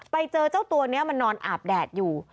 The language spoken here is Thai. ไปเจอเจ้าตัวนี้มันนอนอาบแดดอยู่